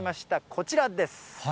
こちらです。